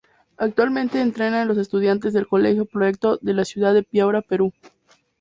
Actualmente entrena a los estudiantes del colegio Proyecto de la ciudad de Piura Perú.